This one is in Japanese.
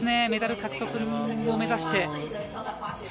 メダル獲得を目指して。